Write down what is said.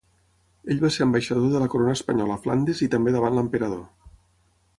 Ell va ser ambaixador de la corona espanyola a Flandes i també davant l'emperador.